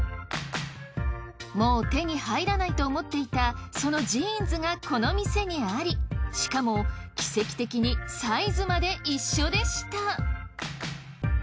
もう手に入らないと思っていたそのジーンズがこの店にありしかも奇跡的にサイズまで一緒でした。